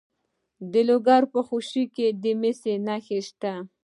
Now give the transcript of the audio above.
د لوګر په خوشي کې د مسو نښې شته.